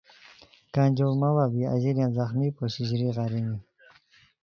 کھانجوڑ ماڑہ بی اژیلیان زخمی پوشی ژریغ ارینی